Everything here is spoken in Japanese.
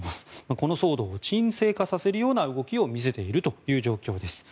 この騒動を鎮静化させるような動きを見せている状況です。